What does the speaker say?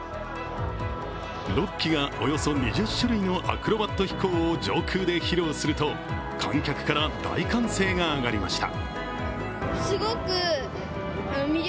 ６機がおよそ２０種類のアクロバット飛行を上空で披露すると観客から大歓声が上がりました。